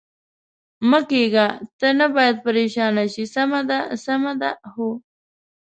مه کېږه، ته نه باید پرېشانه شې، سمه ده، سمه ده؟ هو.